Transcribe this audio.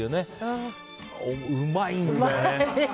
うまいんだよね。